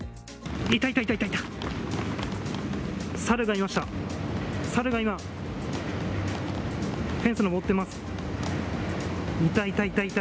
いた、いた、いた、いた！